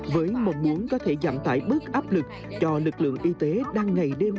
với mong muốn có thể giảm tải bớt áp lực cho lực lượng y tế đang ngày đêm